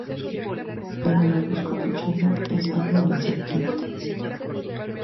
En el horóscopo chino es Año de la Serpiente.